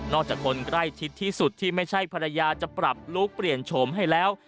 จากคนใกล้ชิดที่สุดที่ไม่ใช่ภรรยาจะปรับลูกเปลี่ยนโฉมให้แล้ว